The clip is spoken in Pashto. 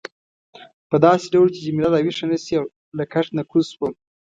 په داسې ډول چې جميله راویښه نه شي له کټ نه کوز شوم.